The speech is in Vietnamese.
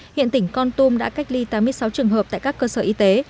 hiện tỉnh con tum đã cách ly tám mươi sáu trường hợp tại các cơ sở y tế